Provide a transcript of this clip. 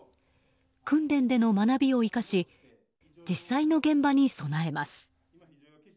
訓練での学びを生かし実際の現場に備えます。